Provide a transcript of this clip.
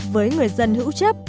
với người dân hữu chấp